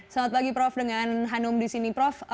selamat pagi prof dengan hanum disini prof